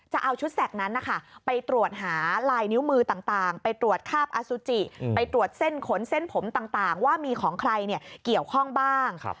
จะเอาชุดแสกนั้นนะคะไปตรวจหาลายนิ้วมือต่างไปตรวจคาบอสุจิไปตรวจเส้นขนเส้นผมต่างว่ามีของใครเกี่ยวข้องบ้าง